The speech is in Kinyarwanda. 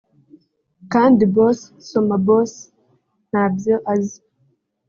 kandi Boss (Soma Bosi) ntabyo azi